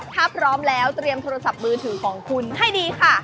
ถ้าพร้อมแล้วเตรียมโทรศัพท์มือถือของคุณให้ดีค่ะ